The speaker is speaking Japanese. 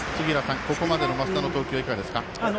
ここまでの増田の投球いかがですか。